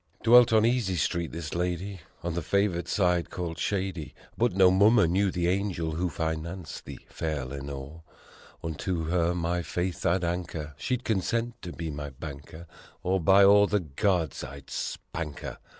5 Dwelt on Easy Street this lady, on the favored side called shady, But no mummer knew the angel who financed the fair Lenore. Unto her my faith I'd anchor! She'd consent to be my banker, Or, by all the gods, I'd spank her!